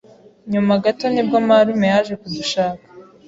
Nyuma gato nibwo marume yaje kudushaka